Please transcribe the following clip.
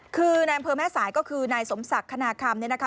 คือนายเมฆสายก็คือนายสมศักดิ์คณะคำนี้นะคะ